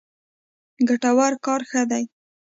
ګټور کار ښه دی.